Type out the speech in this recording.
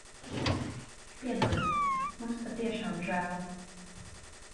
Piedod. Mums patiešām žēl.